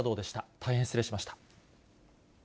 大変失礼しました。